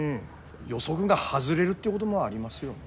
予測が外れるってごどもありますよね？